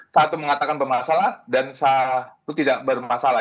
satu mengatakan bermasalah dan satu tidak bermasalah